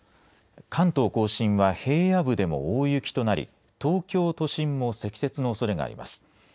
関東甲信は平野部でも大雪となり東京都心でも積雪のおそれがあります。